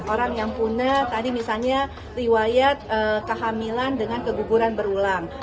orang yang punya tadi misalnya riwayat kehamilan dengan keguguran berulang